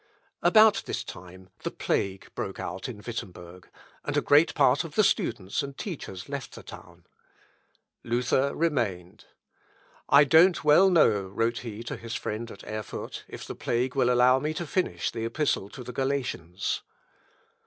" Ep. i, p. 41, to Lange, (26th Oct. 1516.) About this time the plague broke out in Wittemberg, and a great part of the students and teachers left the town. Luther remained. "I don't well know," wrote he to his friend at Erfurt, "if the plague will allow me to finish the Epistle to the Galatians.